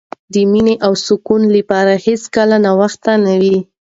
د مینې او سکون لپاره هېڅکله ناوخته نه وي.